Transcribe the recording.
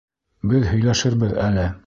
Беҙ һөйләшербеҙ әле!